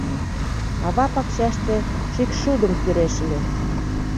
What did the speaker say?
Ава пакчаште шӱкшудым кӱреш ыле.